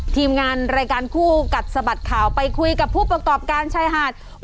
ทีมงานรายการคู่กัดสะบัดข่าวไปคุยกับผู้ประกอบการชายหาด